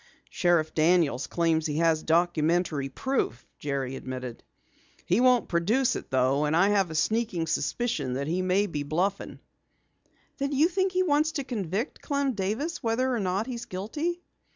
"Sheriff Daniels claims he has documentary proof," Jerry admitted. "He won't produce it though, and I have a sneaking suspicion that he may be bluffing." "Then you think he wants to convict Clem Davis whether or not he's guilty?"